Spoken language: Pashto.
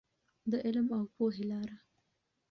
د علم او پوهې لاره.